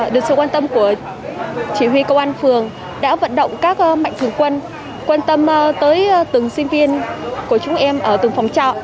được sự quan tâm của chỉ huy công an phường đã vận động các mạnh thường quân quan tâm tới từng sinh viên của chúng em ở từng phòng trọ